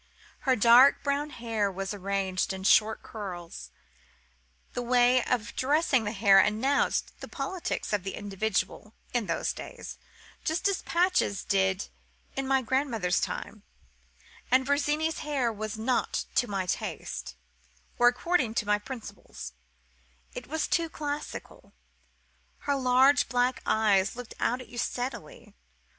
Her dark brown hair was arranged in short curls—the way of dressing the hair announced the politics of the individual, in those days, just as patches did in my grandmother's time; and Virginie's hair was not to my taste, or according to my principles: it was too classical. Her large, black eyes looked out at you steadily.